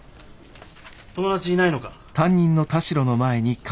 友達いないのか？